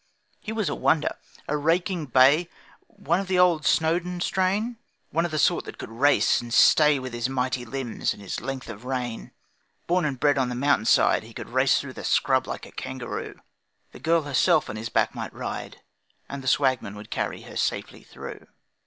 He was a wonder, a raking bay One of the grand old Snowdon strain One of the sort that could race and stay With his mighty limbs and his length of rein. Born and bred on the mountain side, He could race through scrub like a kangaroo, The girl herself on his back might ride, And the Swagman would carry her safely through.